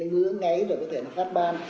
nó ngứa ngáy rồi có thể là phát ban